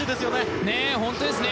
本当ですよね。